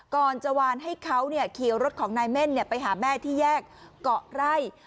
ก่อนจะวานให้เขาขี่รถของนายเม่นไปหาแม่ที่แยกเกาะไร่